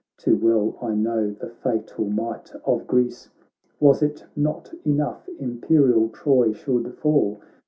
Too well I know the fatal might of Greece ; Was't not enough imperial Troy should fall.